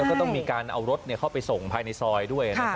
แล้วก็ต้องมีการเอารถเนี่ยเข้าไปส่งภายในซอยด้วยนะครับ